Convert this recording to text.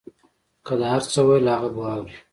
که ده هر څه ویل هغه به اورې.